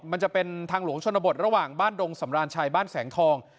มันจะเป็นทางหลวงชนบทระหว่างบ้านดงสำราญชัยบ้านแสงทอง